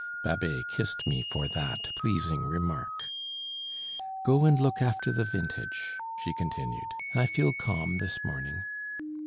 Babet kissed me for that pleasing remark. "Go and look after the vintage," she continued, "I feel calm this morning."